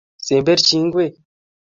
semberchi ngwek